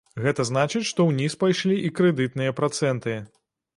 Гэта значыць, што ўніз пайшлі і крэдытныя працэнты.